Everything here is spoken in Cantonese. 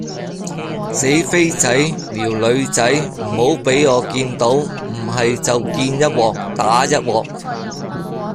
死飛仔撩女仔唔好畀我見到唔喺就見一鑊打一鑊